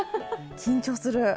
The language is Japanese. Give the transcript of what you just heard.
緊張する。